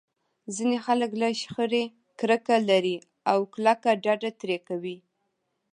ځينې خلک له شخړې کرکه لري او کلکه ډډه ترې کوي.